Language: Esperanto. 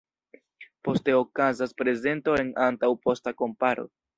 Poste okazas prezento en antaŭ-posta komparo.